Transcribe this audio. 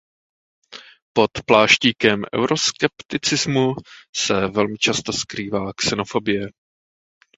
Pod pláštíkem euroskepticismu se velmi často skrývá xenofobie.